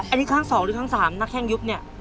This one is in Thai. อันนี้ครั้ง๒หรือครั้ง๓หน้าแข้งยุบเนี่ย